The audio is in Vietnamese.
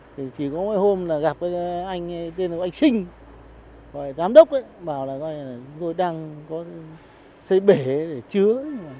thì chỉ có mấy hôm là gặp cái anh tên là anh sinh gọi là đám đốc ấy bảo là coi là rồi đang có xây bể chứa